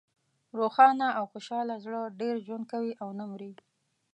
روښانه او خوشحاله زړه ډېر ژوند کوي او نه مری.